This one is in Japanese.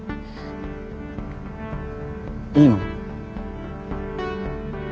いいの？